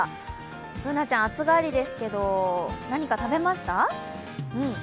Ｂｏｏｎａちゃん、暑がりですけど何か食べました？